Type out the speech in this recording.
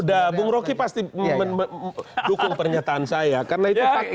nah bung roky pasti mendukung pernyataan saya karena itu fakta